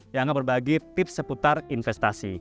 yang akan berbagi tips seputar investasi